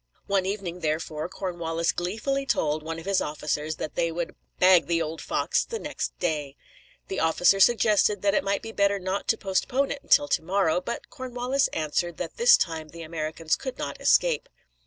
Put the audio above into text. One evening, therefore, Cornwallis gleefully told one of his officers that they would "bag the old fox" on the next day. The officer suggested that it might be better not to postpone it till the morrow; but Cornwallis answered that this time the Americans could not escape.